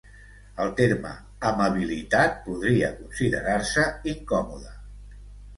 El terme "amabilitat" podria considerar-se incòmode.